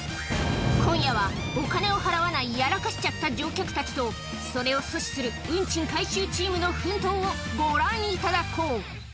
今夜は、お金を払わないやらかしちゃった乗客たちと、それを阻止する運賃回収チームの奮闘をご覧いただこう。